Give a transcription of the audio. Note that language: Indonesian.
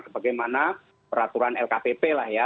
seperti mana peraturan lkpp lah ya